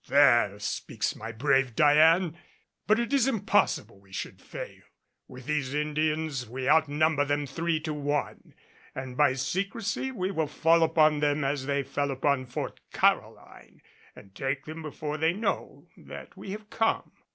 "There speaks my brave Diane! But it is impossible we should fail. With these Indians we outnumber them three to one; and by secrecy we will fall upon them as they fell upon Fort Caroline, and take them before they know that we have come."